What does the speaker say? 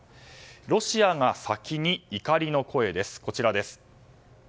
ロシアが先に、怒りの声です。